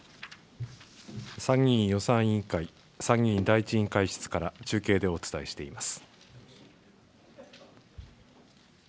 参議院予算委員会、参議院第１委員会室から中継でお伝えしています。